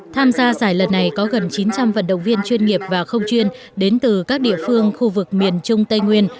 tham gia giải lần này có gần chín trăm linh vận động viên chuyên nghiệp và không chuyên đến từ các địa phương khu vực miền trung tây nguyên